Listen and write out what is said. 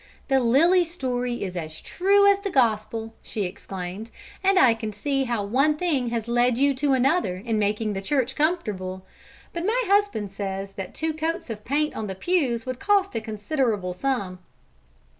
"The lily story is as true as the gospel!" she exclaimed, "and I can see how one thing has led you to another in making the church comfortable. But my husband says that two coats of paint on the pews would cost a considerable sum."